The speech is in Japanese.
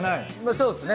そうですね。